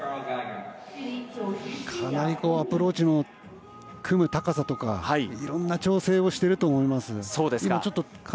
かなりアプローチも組む高さとかいろんな調整をしていると思います。